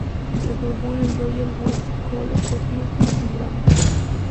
Se formó en el "Royal Welsh College of Music and Drama".